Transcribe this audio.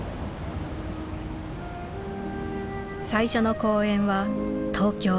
最初の公演は東京・新宿。